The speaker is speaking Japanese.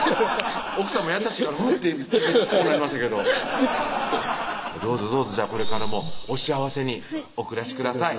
奥さんも優しいからふってこうなりましたけどどうぞこれからもお幸せにお暮らしください